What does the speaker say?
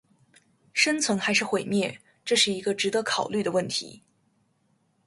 生存还是毁灭，这是一个值得考虑的问题